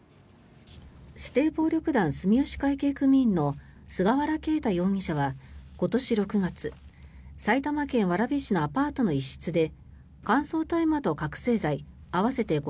指定暴力団住吉会系組員の菅原啓太容疑者は今年６月埼玉県蕨市のアパートの一室で乾燥大麻と覚醒剤合わせて５００ｇ